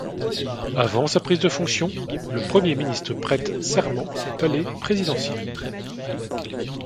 Avant sa prise de fonction, le Premier ministre prête serment au Palais présidentiel.